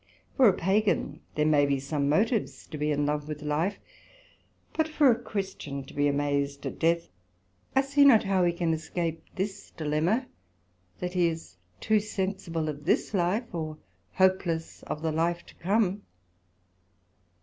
For a Pagan there may be some motives to be in love with life; but for a Christian to be amazed at death, I see not how he can escape this Dilemma, that he is too sensible of this life, or hopeless of the life to come.